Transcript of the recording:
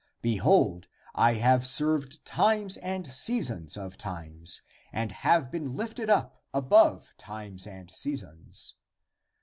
Behold, I have served times and seasons of time and have been lifted up above times and seasons.